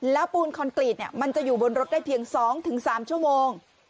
แล้วปูนคอนกรีตมันจะอยู่บนรถได้เพียง๒๓ชั่วโมง